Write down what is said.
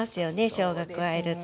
しょうが加えると。